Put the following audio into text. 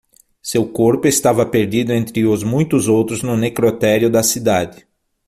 Seu corpo estava perdido entre os muitos outros no necrotério da cidade.